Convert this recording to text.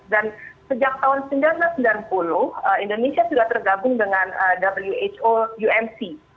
dan sejak tahun seribu sembilan ratus sembilan puluh indonesia sudah tergabung dengan who umc